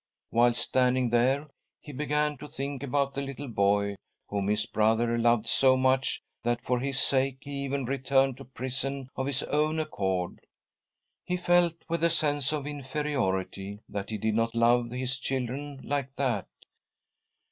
Whilst standing there, he began to think about the little boy whom his brother loved so much that, for his sake, he even returned ■'■'".. to prison of his own accord — he felt, with a sense of inferiority, that he did not love his children like that.